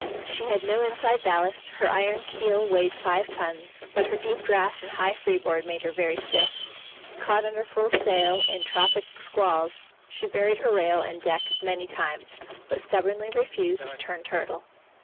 She had no inside ballast, her iron keel weighed five tons, but her deep draught and high freeboard made her very stiff. Caught under full sail in tropic squalls, she buried her rail and deck many times, but stubbornly refused to turn turtle.